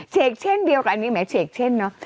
เช่นเดียวกันอันนี้แหมเฉกเช่นเนอะ